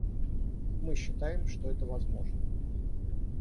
Мы считаем, что это возможно.